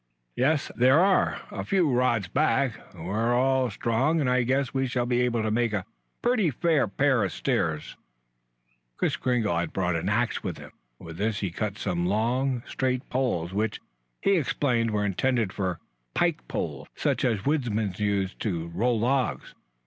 "Yes, there are, a few rods back. We are all strong and I guess we shall be able to make a pretty fair pair of steps." Kris Kringle had brought an axe with him. With this he cut some long, straight poles which, he explained, were intended for pike poles such as woodsmen use to roll logs.